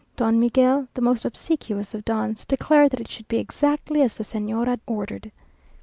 Don Miguel, the most obsequious of dons, declared that it should be exactly as the Señora ordered.